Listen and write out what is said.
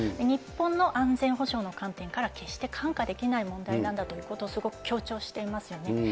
日本の安全保障の観点から決して看過できない問題なんだということを、すごく強調していますよね。